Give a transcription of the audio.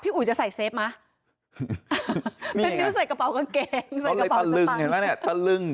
พี่อุ๋ยจะใส่เซฟไหมใส่กระเป๋ากางเกงไหมเฤาเลยตะลึงเห็นไหมเนี้ย